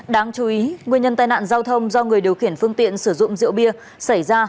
đáng chú ý nguyên nhân tai nạn giao thông do người điều khiển phương tiện sử dụng rượu bia xảy ra